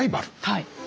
はい。